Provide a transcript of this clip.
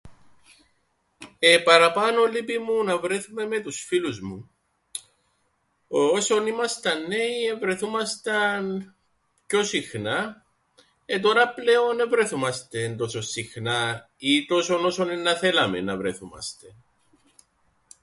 Εεε... παραπάνω λείπει μου να βρέθουμαι με τους φίλους μου. Όσον ήμασταν νέοι εβρεθούμασταν πιο συχνά, ε τωρά πλέον εν βρεθούμαστεν τόσον συχνά ή τόσον όσον εννά θέλαμεν να βρεθούμαστεν.